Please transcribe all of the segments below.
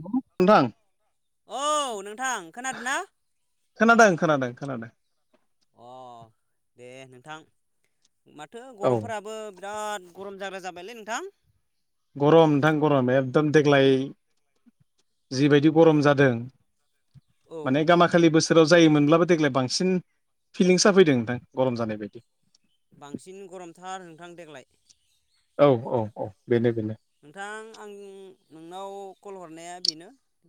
नोंथां औ नोंथां खोनादोंना खोनादों खोनादों खोनादों अ दे नोंथां माथो गरमफोराबो बिराद गरम जाग्रा जाबायलै नोंथां गरम नोंथां गरम एकदम देग्लाय जिबायदि गरम जादों औ माने गामाखालि बोसोर सोराव जोमब्लाबो देग्लाय बांसिन फिलिंसा फैदों नोंथां गरम जानाय बायदि बांसिन गरमथार नोंथां देग्लाय औ-औ-औ बेनो बेनो नोंथां आं नोंनाव कल हरनाया बेनो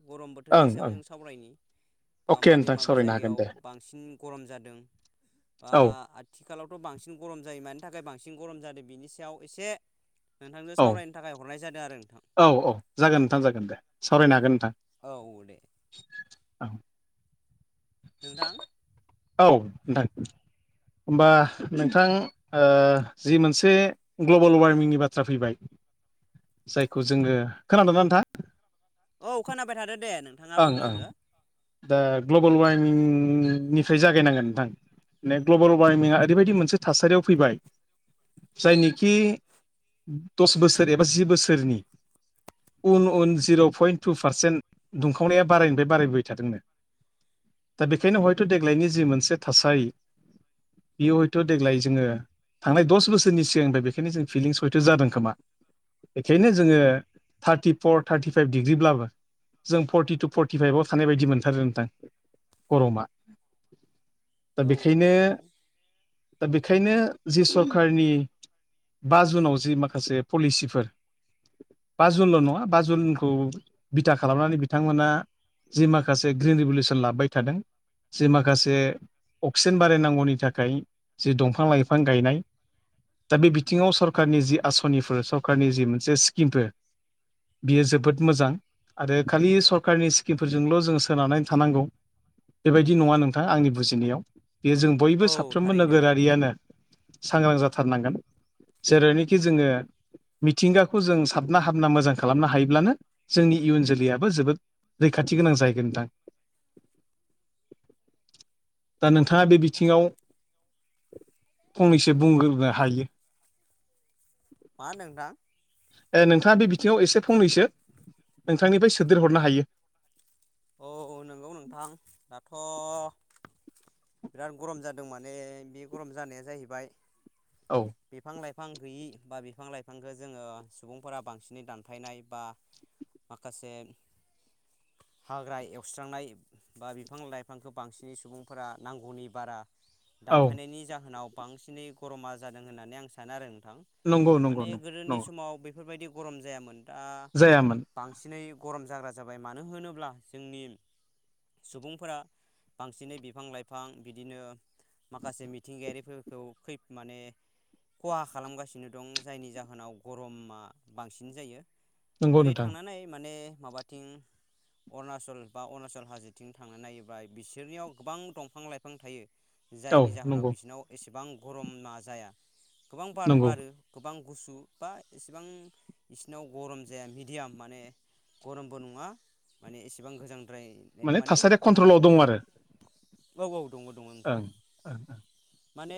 गरम बोथोरनि ओं सायाव ओं जों सावरायनि बा अके माबे नोंथां माबे सावरायनो हागोन जायगायाव दे बांसिन गरम जादों बा औ आथिखालावथ' बांसिन गरम जायो मान नि थाखाय बांसिन गरम जादों बिनि सायाव एसे नोंथांजों सावरायनो थाखाय हरनाय जादों आरो नोंथां औ-औ जागोन नोंथां जागोन दे सावरायनो हागोन नोंथां औ-औ दे औ नोंथां औ नोंथां होमबा नोंथां जि ओ मोनसे ग्लबेल वार्मिंनि बाथ्रा फैबाय [inaudible] जायखौ जोङो खोनादों ना नोंथाङा औ खोनाबाय थादो दे नोंथाङा ओं बुंलांदो दा ग्लबेल वार्मिंनिफ्राय जागायनांगोन नोंथां। माने ग्लबेल वार्मिंनिआ ओरैबायदि मोनसे थासारियाव फैबाय। जायनिखि दस बोसोर एबा जि बोसोरनि उन उन जिर' पइन्ट टु पारसेन्ट दुंखावनाया बारायनिफ्राय बारायबोबाय थादोंनो। दा बेखायनो हयथ' देग्लायनि जि मोनसे थासारि बेयो हयथ' देग्लाय जोङो। थांनाय दस बोसोरनि सिगांनिफ्राय बेखायनो जों फिलिंस हयथ' जादों खोमा। बेखायनो जोङो थार्टिफर थार्टिफाइभ डिग्रिब्लाबो। जों फर्टि टु फर्टिफाइभआव थानाय बायदि मोनथारो नोंथां गरमा। दा औ औ बेखायनो नंगौ दा बेखायनो जि सरखारनि बा जुनाव जि माखासे पलिसिफोर। बा जुनल' नङा बा जुनखौ बिथा खालामनानै बिथांमोना जि माखासे ग्रिन रिभलसन लाबोबाय थादों। जि माखासे अक्सिजेन बारायनांगौनि थाखाय जि दंफां लाइफां गायनाय। दा बे बिथिङाव सरकारनि जि आसनिफोर सरकनि जि मोनसे स्किमफोर बियो जोबोद मोजां। आरो खालि सरखारारनि स्किमफोरजोंल' जों सोनारनानै थानांगौ बेबायदि नङा नोंथां आंनि बुजिनायाव बेयो जों बयबो औ साफ्रोमबो थारैनो नोगोरारियानो। सांग्रां जाथारनांगोन जेरैनोखि जोङो। मिथिंगाखौ जों साबना हाबना मोजां खालामनो हायोब्लानो जोंनि। इयुन जोलैयाबो जोबोद रैखाथि गोनां जाहैगोन नोंथां। दा नोंथाङा बे बिथिङाव। फंनैसो बुंग्रोनो हायो। मा होनदों नोंथां। ओ नोंथाङा बे बिथिङाव एसे फंनैसो नोंथांनिफ्राय सोदेरहरनो हायो। औ नंगौ नोंथां दाथ'। बिराद गरम जादों माने बे गरम जानाया जाहैबाय औ बिफां लाइफां। बिफां गैयि बा बिफां लाइफांखौ जोङो सुबुंफोरा बांसिनै दानफायनाय बा। माखासे। हाग्रा एवस्रांनाय बा बिफां लाइफांखौ बांसिनै सुबुंफोरा नांगौनि बारा। औ दानफायनायनि जाहोनाव बांसिनै गरमा जादों होननानै आं सानो आरो। नंगौ नंगौ माने नंगौ गोदोनि नंगौ समाव बेफोरबायदि गरम जायामोन दा जायामोन बांसिनै। गरम जाग्रा जाबाय मानो होनोब्ला जोंनि। सुबुंफोरा बांसिनै बिफां लाइफां बिदिनो। माखासे मिथिंगायारिफोरखौ खै माने। खहा खालामगासिनो दं जायनि जाहोनाव गरमा बांसिन जायो। नंगौ ओरै नोंथां थांनानै माने माबाथिं। अरुणाचल बा अरुणाचल हाजोथिं थांनानै नायोब्ला बिसोरनियाव गोबां दंफां लाइफां थायो। औ जायनि जाहोनाव नंगौ बिसिनाव एसेबां गरम ना जाया गोबां बार नंगौ बारो गोबां। गुसु बा इसेबां बिसिनाव गरम जाया मिडियाम माने। गरमबो नङा माने एसेबां गोजां। माने थासारिया कन्ट्रलाव दं आरो। औ औ। दङ दङ नोंथां ओं ओं ओं। माने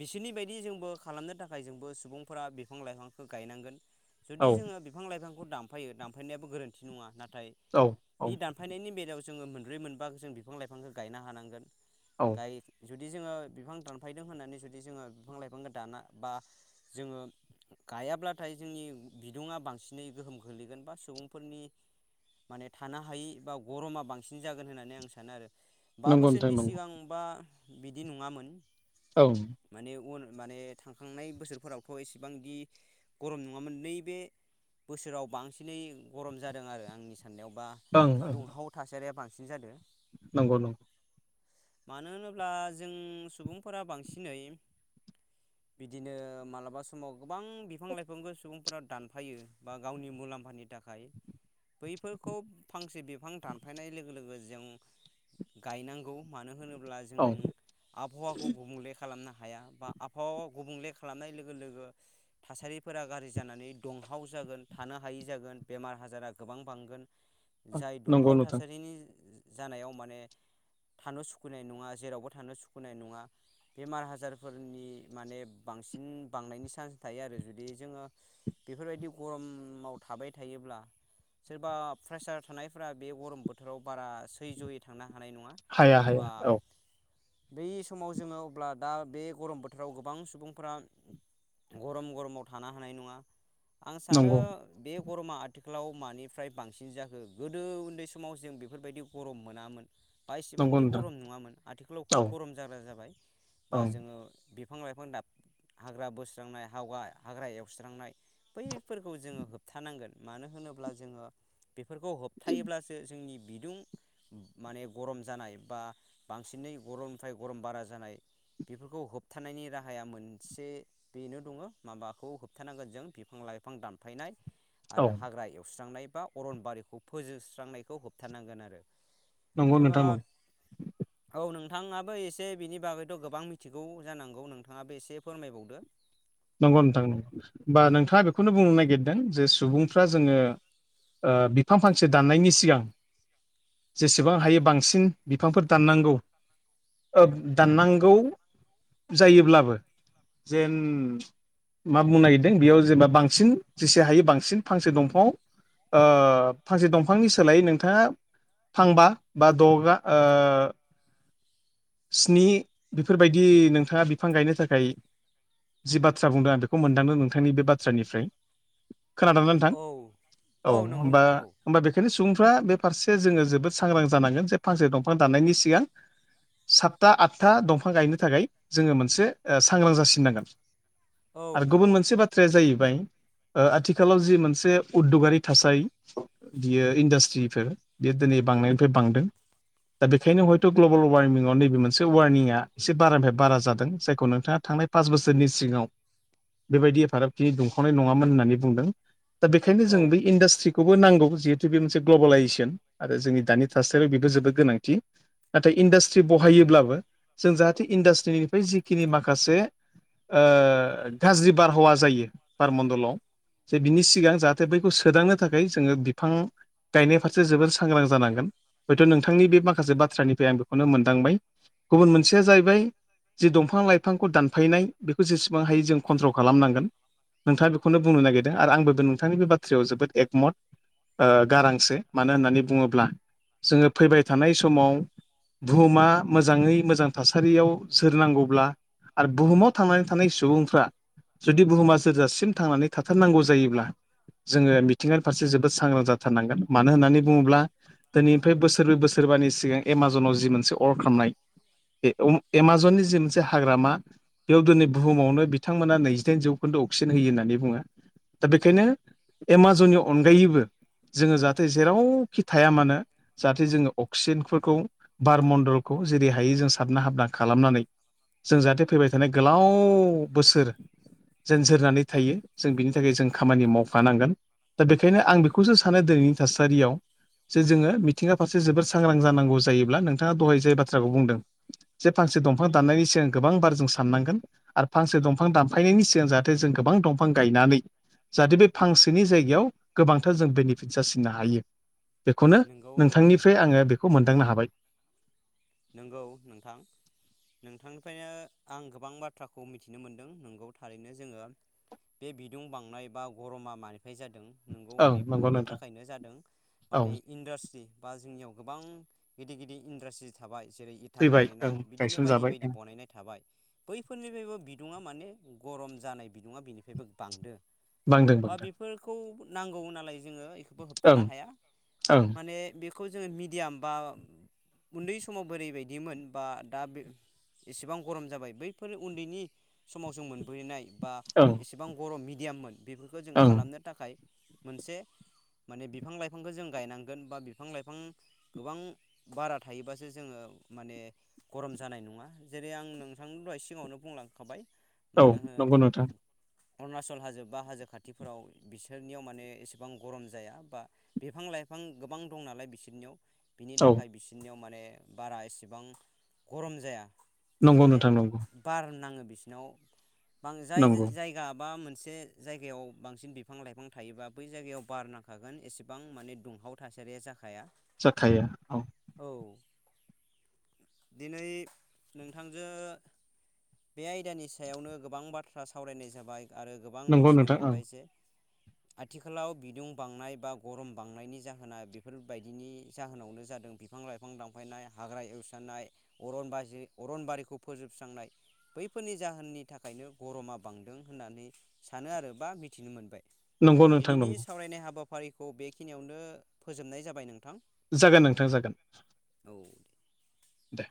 बिस बिनि बायदि जोंबो खालामनो थाखाय जोंबो सुबुंफोरा बिफां लाइफांखौ गायनांगोन। जुदि ओं जोङो बिफां लाइफांखौ दामफायो दानफायनायाबो गोरोन्थि नङा नाथाय। नाथाय औ औ बि दानफायनायनि बेलायाव जोङो मोनब्रै मोनबा जों बिफां लाइफांखौ गायनो हानांगोन। औ गाय जुदि जोङो बिफां दानफायदों होननानै जुद जुदि जोङो बिफां लाइफांखौ दाना बा जोङो। गायाब्लाथाय जोंनि बिदुङा बांसिनै गोहोम गोलैगोन बा सुबुंफोरनि। माने थानो हायि बा गरमा बांसिन जागोन होननानै आं सानो आरो। बा नंगौ नोंथां बोसोरनि नंगौ सिगांबा बिदि नङामोन। औ। माने उन माने थांखांनाय बोसोरफोरावथ' एसेबांदि गरम नङामोन नैबे। बोसोराव बांसिनै गरम जादों आरो आंनि सा साननायावबा ओं दुंहाव थासारिया बांसिन जादों। नंगौ नंगौ। मानो होनोब्ला जों सुबुंफोरा बांसिनै। बिदिनो मालाबा समाव गोबां बिफां लाइफांखौ सुबुंफोरा दानफायो बा गावनि मुलाम्फानि थाख। गायो बैफोरखौ फांसे बिब। बिफां दानफायनाय लोगो लोगो जों गायनांगौ मानो होनोब। जों औ आबहावाखौ गुबुंलेख। खालामनो हाया बा आबहावा गुबुंले खालामनाय लोगो लोगो थासारिफोरा गाज्रि जानानै दं। दुंहाव जागोन थानो हायै जागोन बेमार आजारा गोबां बांगोन। जाय नंगौ दुंहाव नोंथां थासारिनि। जानायाव माने थानो सुखुनाय नङा जेरावबो थानो सुखैनाय नङा। बेमार आजारफोरनि माने बांसिन बांनायनि चान्स थायो आरो जुदि जोङो। बेफोरबायदि गरमाव थाबाय थायोब्ला। सोरबा प्रेसार थानायफोरा बे गरम बोथोराव बारा सै जयै थां। हानाय नङा हाया हाया बा औ बै समाव जोङो। अब्ला दा बे गरम बोथोराव गोबां सुबुंफोरा। गरम गरमाव थानो हानाय नङा आं सानो नंगौ बे। गरमा आथिखालाव मानिफ्राय बांसिन जाखो गोदो उन्दै समाव जों बेफोरबायदि गरम मोनामोन। बा एसेबां नंगौ बिदि नोंथां गरम नङामोन आथिखालाव खोब औ गरम जाग्रा जाबाय बा औ जोङो बिफां लाइफां दा हाग्रा बोस्रांनाय हाव्रा हाग्रा एवस्रांनाय बैफोरखौ जोङो होबथानांगोन मानो होन होनोब्ला जोङो बेफोरखौ होबथायोबब्लासो जोंनि बिदुं माने गरम जानाय बा बांसिनै गरमनिफ्राय गरम बारा जानाय बेफोरखौ होबथानायनि राहाया मोनसे बेनो दङ माबाखौ होबथानांगोन जों बे बिफां लाइफां दानफायनाय औ आरो हाग्रा एवस्रांनाय बा अरनबारिखौ फोजोबस्रांनायखौ होबथानांगोन आरो नंगौ जोङो नोंथां नंगौ औ नोंथाङाबो एसे बिनि बागै थ' गोबां मिथिगौ जानांगौ नोंथाङा बे एसे फोरमायबावदो नंगौ नोंथां नगौ बा नोंथाङा बेखौनो बुंनो नागिरदों जे सुबुंफ्रा जोङो बिफां फांसे दाननायनि सिगां जेसेबां हायो बांसिन बिफांफोर दाननांगौ दाननांगौ जायोब्लाबो जेन मा बुंनो नागिरदों बेयाव जेनेबा बांसिन जेसे हायो बांसिन फांसे दंफङाव ओ फांसे दंफांनि सोलायै नोंथाङा फांबा बा दगा ओ स्नि बेफोरबायदि नोंथाङा बिफां गायनो थाखाय जि बाथ्रा बाथ्रा बुंदों आं बेखौ मोनदांदों नोंथांनि बे बाथ्रानिफ्राय खोनादोंानानै नोंथां औ औ नंगौ होमबा नोंथां औ हबा बेखायनो सुबुं फ्रा बे फारसे जोङो जोबोद सांग्रां जानांगोन जे फांसे दंफां दाननायनि सिगां सातथा आठथा दंफां गायनो थाखाय जोङो मोनसे सांग्रां जासिननांगोन औ आरो गुबुन नंगौ मोनसे बाथ्राया जाहैबाय ओ आथिखालाव जि मोनसे उददगारि थासारि बियो इन्डास्ट्रिफोर दिनै बांनायनिफ्राय बांदों दा बेखायनो हयथ' ग्लबेल वार्मिंआव नैबे मोनसे वार्मिंआ एसे बारानिफ्राय बारा जादों जायखौ नोंथाङा थां थांनाय पास बोसोरनि सिगाङाव बेबायदिफाराबखिनि दुंखावनाय नङामोन होननानै बुंदों। दा बेखायनो औ जों बे इन्डासट्रि खौबो नांगौ जिहेतु बे मोनसे ग्लबेलाायजेसन आरो जोंनि दानि थासारियाव बेबो जोबोद गोनांथि। नाथाय इन्डास्ट्रि बहायोब्लाबो जों जाहाथे इन्डास्ट्रिनिफ्राय जिखिनि माखासे गाज्रि बारहावा जायो बारमण्डलाव जे बिनि सिगां जाहाथे बैखौ सोदांनो थाखाय जोङो बिफां गायनाय फारसे जोबोर सांग्रां जानांगोन। हयथ' नोंथांनि बे माखासे बाथ्रानिफ्राय आं बेखौनो मोनदांबाय। गुबुन मोनसेया जाहैबाय जि दंफां लाइफांखौ दानफायनाय बेखौ जेसेबां हायो जों कन्ट्रल खालामनांगोन। नोंथाङा बेखौनो बुंनो नागिरदों आरो आंबोबो नोंथांनि बे बाथ्रायाव जोबोद एकमत गारांसो मानो होननानै बुङोब्ला जोङो फैबाय थानाय समाव बुहुमा मोजाङै मोजां थासारियाव सोरनांगौब्ला आरो बुहुमाव थांनानै थानाय सुबुंफ्रा जुदि बुहुमा जोरजासिम थांनानै थाथारनांगौ जायोब्ला जोङो मिथिंङानि फारसे जोबोद सांग्रां जाथारनांगोन मानो होननानै बुङोब्ला दिनैनिफ्राय बोसोरब्र बोसोरै सोरबानि सिगां एमाजनाव जि मोनसे अर्डार खालामनाय एमाजननि जि मोनसे हाग्रामा बेयाव दिनै बुहुमावनो बिथांमोना नैजिदाइन जौखोन्दो अक्सिजेन होयो होननानै बुङो। दा बेखायनो एमाजननि अनगायैबो जोङो जाहाथे जेरावखि थाया मानो जाहाथे जोङो अक्सिजेनफोरखौ बार मण्डलखौ जेरै हायो जों साबना हाबना खालामनानै जों जाहाथे फैबाय दिनै गोलाव बोसोर जेन जोरनानै थायो जों बिनि थाखाय जों खामानि मावफानांगोन। दा बेखायनो आं बेखौसो सानो दिनैनि थासारियाव जे जोङो मिथिं फारसे जोोबोर सांग्रां जानांगौ जायोब्ला नोंथाङा दहाय जाय बाथ्राखौ बुंदों जे फसे दंफां दाननायनि सिगां गोबां बार जों साननांगोन आरो फांसे दंफां दानफायनायनि सिगां जाहाथे जों गोबां दंफां गायनानै जाहाथे बे फांसेनि जायगायाव गोबांथार जों बेनिफिट जासिननो हायो। बेखौनो नंगौ थारैनो नोंथांनिफ्राय आङो बेखौ मोनदांनो हाबाय। नंगौ नोंथां। नोंथांनिफ्रायनो आं गोबां बाथ्राखौ मिथिनो मोनदों नंगौ थारैनो जोङो बे बिदुं बांनाय बा गरमा मानि नाय जादों नंगौ ओं नंगौ बेफोरनि नोंथां थाखायनो जादों औ माने इन्डास्ट्रि बा जोंनियाव गोबां गिदिर गिदिर इन्डास्ट्रि थाबाय जेरै इथा फैबाय बनायनाय ओं बिदिनो बायदि गायसनजाबाय बायदि ओं बनायनाय थाबाय बैफोरनिफ्राय बिदुङा माने गरम जानाय बिदुङा बिनिफ्रायबो बांदो बांदों बा बांदों बेफोरखौ नांगौ नालाय जोङो बेखौबो होबथानो ओं हाया ओं माने बे बे खौ जोङो मिडियाम बा उन्दै समाव बोरैबायदिमोन बा दा बे एसेबां गरम जाबाय बैफोर उन्दैनि समाव जों मोन बैनाय बा ओं एसेबां बर' मिडियाममोन बेफोरखौ जों ओं खालामनो थाखाय मोनसे माने बिफां लाइफांखौ जों गायनांगोन बा बिफां लाइफां गोबां बारा थायोबासो जोङो माने गरम जानाय नङा जेरै आं नोंथांनि दहाय सिगाङावनो बुंलांखाबाय औ मानो हो नंगौ नोंथां। अरुणाचल हाजो बा हाजो खाथिफोराव बिसोरनियाव माने एसेबां गरम जाया बा बिफां लाइफां आं गोबां दं नालाय बिसोरनियाव बिनि औ थाखाय बिसोरनियाव माने बारा एसेबां गरम जाया। नंगौ माने नोंथां नंगौ बार नाङो बिसिनाव बां जाय नंगौ जायगा बा मोन मोनसे जायगायाव बांसिन बिफां लाइफां थायोबा बै जायगायाव बार नांखागोन एसेबां माने दुंहाव थासा रिया जाखाया जाखाया औ दिनै नोंथांजो बे आयदानि सायावनो गोबां बाथ्रा सावरायनाय जाबाय आरो गोबां नंगौ मिथिनो नोंथां ओं मोनबाय जे [unintelligible] आथिखालाव बिदुं बांनाय बा गरम बांनायनि जाहोना बेफोरबायदिनि जाहोनावनो जादों बिफां बिफां लाइफां दानफायनाय हाग्रा एवस्रनाय अरन बाज अरनबारिखौ फोजोबस्रांनाय बैफोरनि जाहोननि थाखायनो गरमा बांदों होननानै सानो आरो बा मिथिनो मोनबाय नंगौ नोंथां दिनैनि नंगौ सावरायनाय हाबाफारिखौ बेखिनियावनो फोजोबनाय जाबाय नोंथां जागोन नोंथां जागोन औ दे